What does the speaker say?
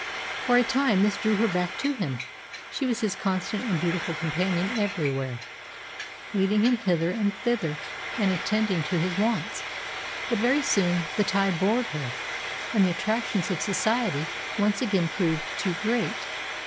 For a time this drew her back to him. She was his constant and dutiful companion everywhere, leading him hither and thither, and attending to his wants; but very soon the tie bored her, and the attractions of society once again proved too great.